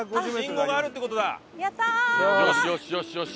よしよしよしよし。